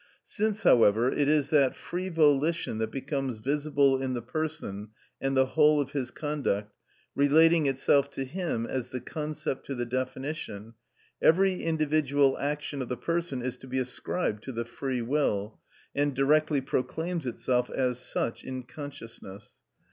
Since, however, it is that free volition that becomes visible in the person and the whole of his conduct, relating itself to him as the concept to the definition, every individual action of the person is to be ascribed to the free will, and directly proclaims itself as such in consciousness.